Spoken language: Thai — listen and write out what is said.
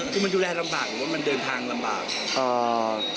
คือมันดูแลลำบากหรือว่ามันเดินทางลำบาก